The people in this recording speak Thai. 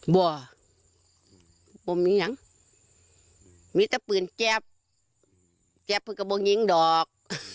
บ่อผมอย่างมีสะปืนแจ๊บแจ๊บคือก็บ่งยิงดอก